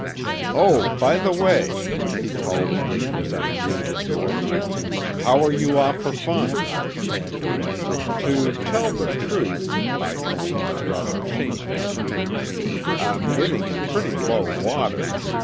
"Oh, by the way," he called to me as I neared the door. "How are you off for funds?" "To tell the truth," I owned, rather shamefacedly, "I'm getting in pretty low water.